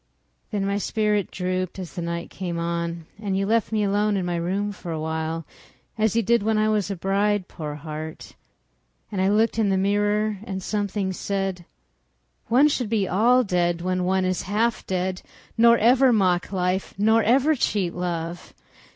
Then my spirit drooped as the night came on, And you left me alone in my room for a while, As you did when I was a bride, poor heart. And I looked in the mirror and something said: "One should be all dead when one is half dead—" Nor ever mock life, nor ever cheat love."